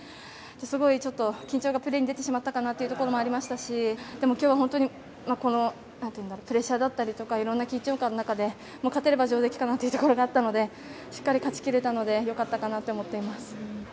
すごい緊張がプレーに出てしまったかなというところもありましたしでも、今日は本当にプレッシャーだったりとかいろんな緊張感の中で勝てるかなという気持ちもあったのでしっかり勝ち切れたので良かったかなと思っています。